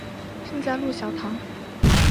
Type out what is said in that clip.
圣嘉禄小堂。